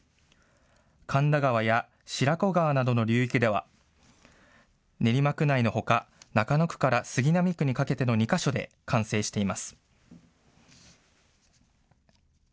神田川や白子川などの流域では練馬区内のほか、中野区から杉並区にかけての２か所で完成しています。